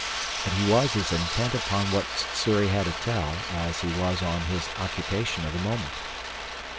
But he was as intent upon what Sssuri had to tell as he was on his occupation of the moment.